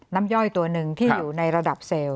ย่อยตัวหนึ่งที่อยู่ในระดับเซลล์